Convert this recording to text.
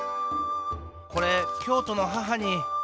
これ京都の母に。